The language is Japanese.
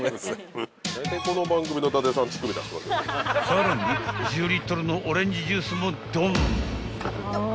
［さらに１０リットルのオレンジジュースもドン］